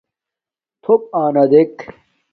تھݸپ آنݳ دݵک.